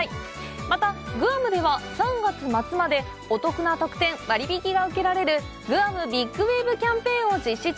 また、グアムでは３月末までお得な特典・割引が受けられる「グアムビッグウェーブキャンペーン」を実施中！